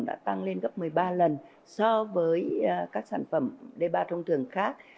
đã tăng lên gấp một mươi ba lần so với các sản phẩm d ba thông thường khác